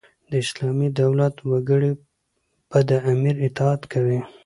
د اسلامي دولت وګړي به د امیر اطاعت کوي.